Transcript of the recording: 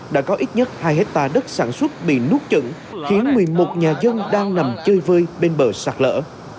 đã có ít nhất hai hecta đất sản xuất bị nút chận khiến nguyên mục nhà dân đang nằm chơi vơi bên bờ sạt lở